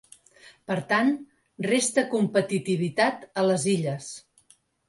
Per tant, resta competitivitat a les Illes.